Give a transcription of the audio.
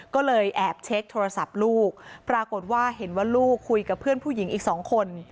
ก็เลยแอบเช็คโทรศัพท์ลูกปรากฏว่าเห็นว่าลูกคุยกับเพื่อนผู้หญิงอีกสองคน